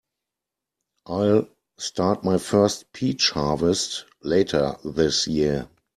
I'll start my first peach harvest later this year.